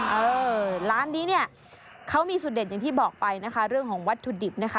เออร้านนี้เนี่ยเขามีสุดเด็ดอย่างที่บอกไปนะคะเรื่องของวัตถุดิบนะคะ